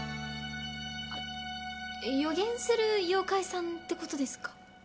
予言する妖怪さんって事ですか？